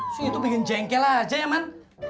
si itu pingin jengkel aja ya man